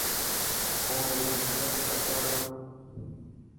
قوم ري خدمت ڪرتارهو.